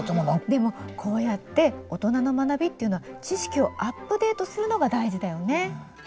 でもこうやって大人の学びっていうのは知識をアップデートするのが大事だよね。